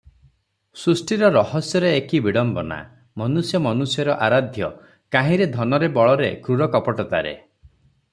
ସୃଷ୍ଟିର ରହସ୍ୟରେ ଏକି ବିଡ଼ମ୍ବନା! ମନୁଷ୍ୟ ମନୁଷ୍ୟର ଆରାଧ୍ୟ- କାହିଁରେ ଧନରେ ବଳରେ- କ୍ରୁର- କପଟତାରେ ।